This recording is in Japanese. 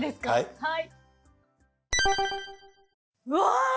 はい。